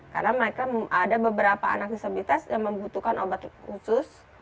karena mereka ada beberapa anak disabilitas yang membutuhkan obat khusus